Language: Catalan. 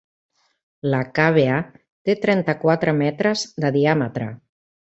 La càvea té trenta-quatre metres de diàmetre.